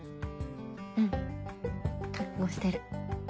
うん覚悟してる。